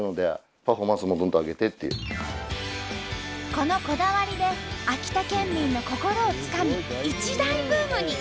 このこだわりで秋田県民の心をつかみ一大ブームに。